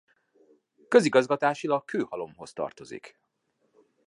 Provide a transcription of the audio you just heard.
Közigazgatásilag Kőhalomhoz tartozik.